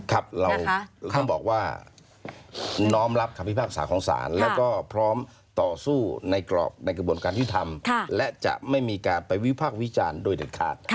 ครับเราต้องบอกว่าน้อมรับคำพิพากษาของศาลแล้วก็พร้อมต่อสู้ในกระบวนการที่ทำและจะไม่มีการไปวิพากษ์วิจารณ์โดยเด็ดขาด